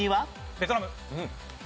ベトナム。